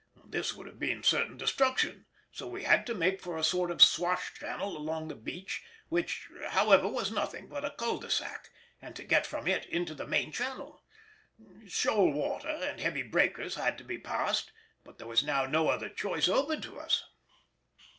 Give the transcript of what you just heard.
This would have been certain destruction, so we had to make for a sort of swash channel along the beach, which, however, was nothing but a cul de sac, and to get from it into the main channel. Shoal water and heavy breakers had to be passed, but there was now no other choice open to us.